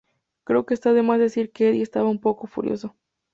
Creo que está de más decir que Eddie estaba un poco furioso".